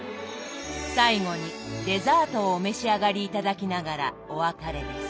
最後にデザートをお召し上がり頂きながらお別れです。